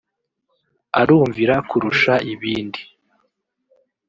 arumvira kurusha ibindi